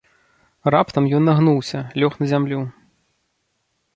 Раптам ён нагнуўся, лёг на зямлю.